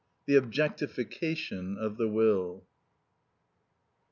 The Objectification Of The Will.